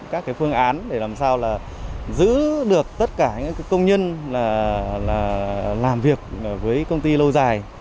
các phương án để làm sao là giữ được tất cả những công nhân làm việc với công ty lâu dài